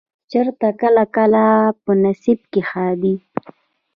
چرته کله کله په نصيب چې ښادي